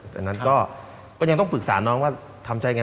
แต่นั้นก็ยังต้องปรึกษาน้องว่าทำใจไง